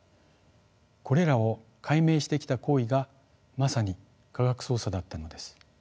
これらを解明してきた行為がまさに科学捜査だったのです。